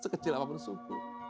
sekecil apapun syukur